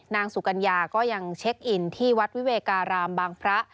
นางสุกัญญาก็ยังเช็คอินที่วัดวิเวการามบางพระ